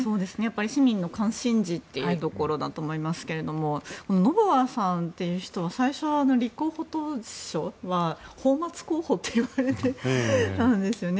市民の関心事ということだと思いますがノボアさんという人は最初は立候補当初は泡まつ候補といわれていたんですよね。